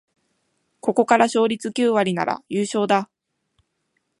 ここから勝率九割なら優勝だ